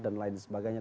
dan lain sebagainya